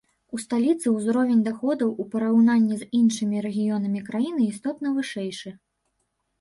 У сталіцы ўзровень даходаў у параўнанні з іншымі рэгіёнамі краіны істотна вышэйшы.